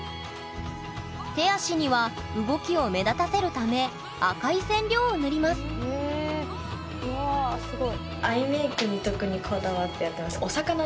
手足には動きを目立たせるため赤い染料を塗りますわあすごい。